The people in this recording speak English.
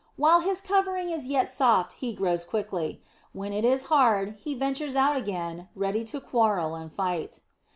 While his covering is yet soft he grows quickly. When it is hard, he ventures out again, ready to quarrel and fight.